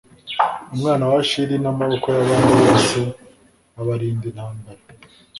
umwana wa ashri n’ amaboko y’ abandi bose abarinda intambara